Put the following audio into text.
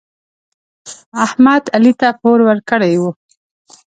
احمد علي ته پور ورکړی و.